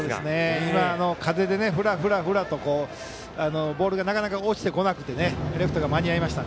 今、風でふらふらとボールがなかなか落ちてこなくてレフトが間に合いました。